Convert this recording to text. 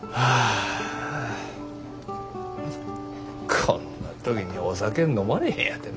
こんな時にお酒飲まれへんやてな。